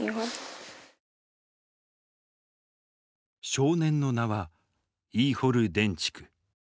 少年の名はイーホル・デンチク。